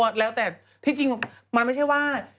เนี่ยแต่มันไม่ใช่ว่า